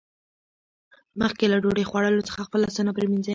مخکې له ډوډۍ خوړلو څخه خپل لاسونه پرېمینځئ